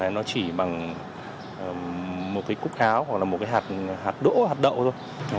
nó chỉ bằng một cái cúc áo hoặc là một cái hạt hạt đỗ hạt đậu thôi